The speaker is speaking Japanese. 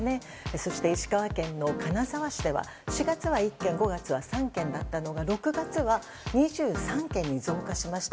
そして、石川県金沢市では４月は１件５月は３件だったのが６月は２３件に増加しました。